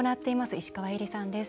石川えりさんです。